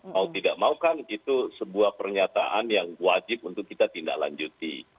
mau tidak mau kan itu sebuah pernyataan yang wajib untuk kita tindak lanjuti